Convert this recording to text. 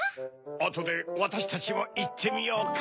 あとでわたしたちもいってみようか。